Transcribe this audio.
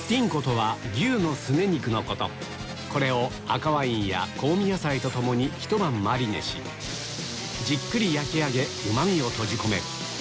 これを赤ワインや香味野菜と共にひと晩マリネしじっくり焼き上げうまみを閉じ込める